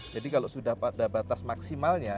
jadi kalau sudah pada batas maksimalnya